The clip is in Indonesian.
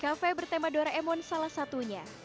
kafe bertema doraemon salah satunya